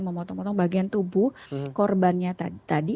memotong motong bagian tubuh korbannya tadi